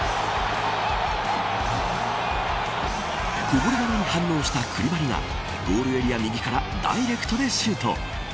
こぼれ球に反応したクリバリがゴールエリア右からダイレクトでシュート。